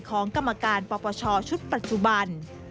ของกรรมการปปชชุดปัจจุบัน